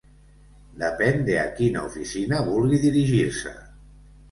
Depèn de a quina oficina vulgui dirigir-se.